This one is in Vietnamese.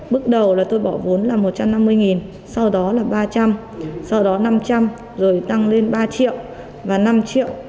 bước đầu là tôi bỏ vốn là một trăm năm mươi sau đó là ba trăm linh sau đó năm trăm linh rồi tăng lên ba triệu và năm triệu